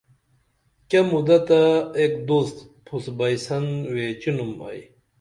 کیہ مُدہ تہ ایک دوست پۡھس بئیسن ویچینُم ائی